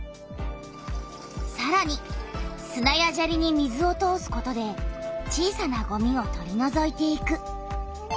さらにすなやジャリに水を通すことで小さなゴミを取りのぞいていく。